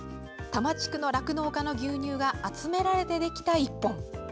多摩地区の酪農家の牛乳が集められてできた１本。